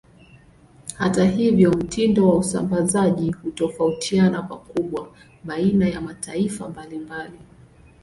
Hata hivyo, mtindo wa usambazaji hutofautiana pakubwa baina ya mataifa mbalimbali.